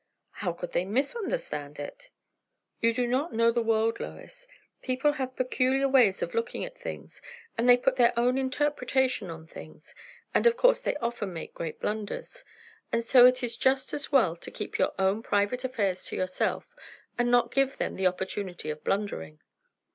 "How could they _mis_understand it?" "You do not know the world, Lois. People have peculiar ways of looking at things; and they put their own interpretation on things; and of course they often make great blunders. And so it is just as well to keep your own private affairs to yourself, and not give them the opportunity of blundering."